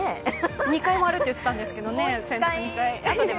２回回ると言ってたんですけどね。